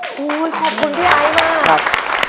โอ้โฮขอบคุณพี่ไอ้มาก